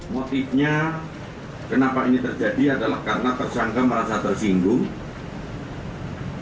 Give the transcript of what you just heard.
motifnya kenapa ini terjadi adalah karena tersangka merasa tersinggung